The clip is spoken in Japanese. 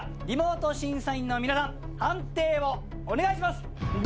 リモート審査員の皆さん判定をお願いします。